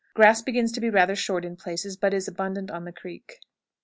Grass begins to be rather short in places, but is abundant on the creek.